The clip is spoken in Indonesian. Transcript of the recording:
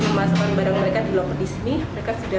memasangkan barang mereka di locker di sini